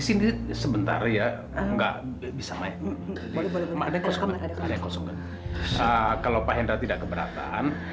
sini sebentar ya enggak bisa main main kosong kosong kalau pak endra tidak keberatan